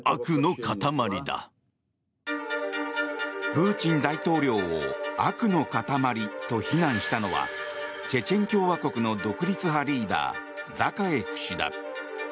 プーチン大統領を悪の塊と非難したのはチェチェン共和国の独立派リーダー、ザカエフ氏だ。